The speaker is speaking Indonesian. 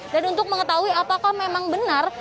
dan untuk mengetahui apakah memang benar